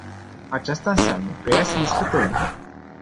Aceasta înseamnă că ea se discută încă.